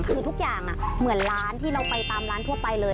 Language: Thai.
คือทุกอย่างเหมือนร้านที่เราไปตามร้านทั่วไปเลย